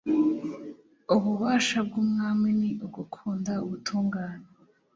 ububasha bw'umwami ni ugukunda ubutungane